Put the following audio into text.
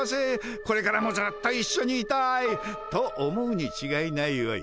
これからもずっといっしょにいたい」と思うにちがいないわい。